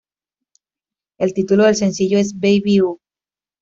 El título del sencillo es 'Baby U!